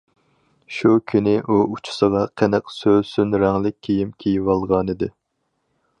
شۇ كۈنى ئۇ ئۇچىسىغا قېنىق سۆسۈن رەڭلىك كىيىم كىيىۋالغانىدى.